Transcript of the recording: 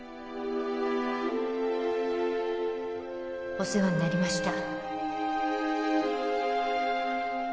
お世話になりました